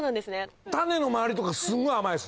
種の周りとかすんごい甘いです。